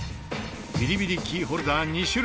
ビリビリキーホルダー２種類。